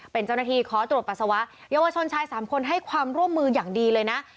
เป็นเจ้าหน้าที่ขอตรวจปัสสาวะเยาวชนชาย๓คนให้ความร่วมมืออย่างดีเลยนะ